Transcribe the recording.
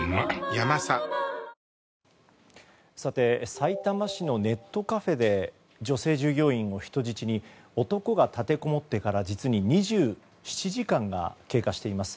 さいたま市のネットカフェで女性従業員を人質に男が立てこもってから実に２７時間が経過しています。